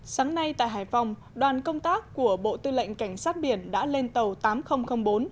sáng nay tại hải phòng đoàn công tác của bộ tư lệnh cảnh sát biển đã lên tàu tám nghìn bốn